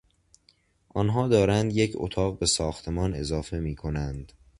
آنها دارند یک اتاق به ساختمان اضافه میکنند.